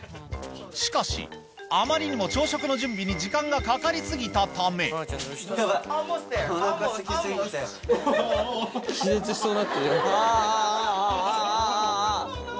しかしあまりにも朝食の準備に時間がかかり過ぎたためああああ！